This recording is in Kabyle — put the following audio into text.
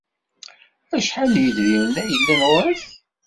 Acḥal n yedrimen ay yellan ɣur-k?